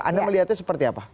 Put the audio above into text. anda melihatnya seperti apa